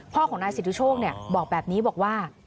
พ่อของนายสิทธิโชคบอกแบบนี้บอกว่า